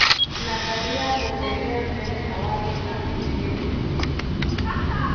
Nadharia huendelea mbele na wazo la vipengele vingine